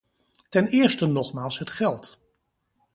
Ten eerste nogmaals het geld.